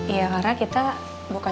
iya karena kita bukan cuma buat ngajar